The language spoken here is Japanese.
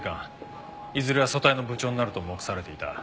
いずれは組対の部長になると目されていた。